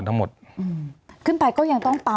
มีความรู้สึกว่ามีความรู้สึกว่า